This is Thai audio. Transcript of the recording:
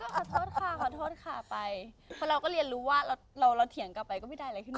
ขอโทษค่ะขอโทษค่ะไปเพราะเราก็เรียนรู้ว่าเราเถียงกลับไปก็ไม่ได้อะไรขึ้นมา